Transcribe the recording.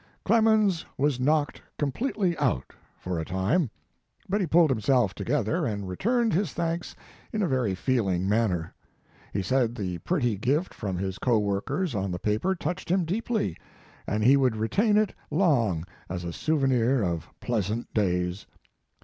1 Clemens was knocked completely out for a time, but he pulled himself together and returned his thanks in a very feeling manner. He said the pretty gift from his co workers on the paper touched him deeply, and he would retain it long as a souvenir of pleasant days.